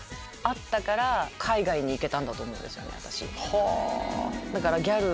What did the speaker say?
はぁ！